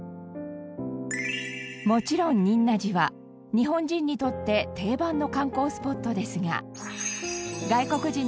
もちろん仁和寺は日本人にとって定番の観光スポットですが。